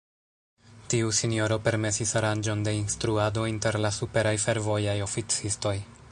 Tiu sinjoro permesis aranĝon de instruado inter la superaj fervojaj oficistoj.